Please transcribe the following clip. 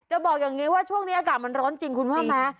บอกอย่างนี้ว่าช่วงนี้อากาศมันร้อนจริงคุณว่าไหม